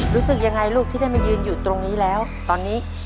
รู้สึกยังไงลูกที่ได้มายืนอยู่ตรงนี้แล้วตอนนี้